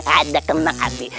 ada kemang api